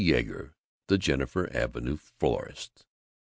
Yeager, the Jennifer Avenue florist.